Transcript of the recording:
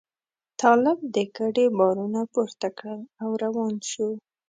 طالب د کډې بارونه پورته کړل او روان شو.